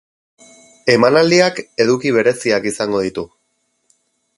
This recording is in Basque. Emanaldiak eduki bereziak izango ditu.